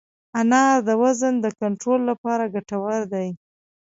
انار د وزن د کنټرول لپاره ګټور دی.